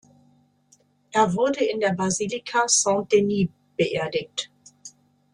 Er wurde in der Basilika Saint-Denis beerdigt.